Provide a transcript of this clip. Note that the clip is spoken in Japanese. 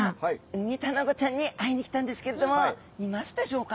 ウミタナゴちゃんに会いに来たんですけれどもいますでしょうか？